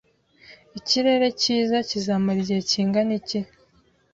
Ikirere cyiza kizamara igihe kingana iki?